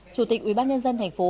chủ tịch ubnd tp